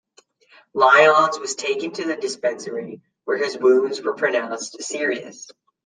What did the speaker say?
Lyons was taken to the Dispensary, where his wounds were pronounced serious.